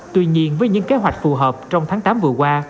tuy nhiên với những kế hoạch phù hợp trong tháng tám vừa qua